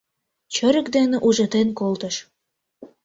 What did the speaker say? Чырык дене ужатен колтыш